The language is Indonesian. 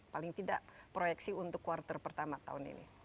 paling tidak proyeksi untuk kuartal pertama tahun ini